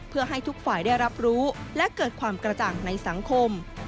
เพื่อให้ทุกฝ่ายได้รับรู้และเกิดความกระจ่างในสังคม